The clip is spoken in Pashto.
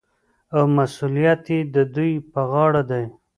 او مسوولیت یې د دوی په غاړه دی.